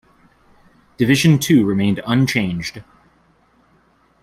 Division Two remained unchanged.